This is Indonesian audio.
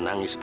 sesama si tu